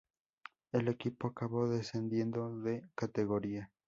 El equipo acabó descendiendo de categoría.